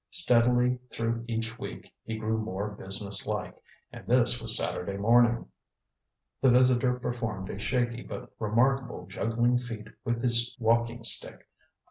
Steadily through each week he grew more businesslike and this was Saturday morning. The visitor performed a shaky but remarkable juggling feat with his walking stick.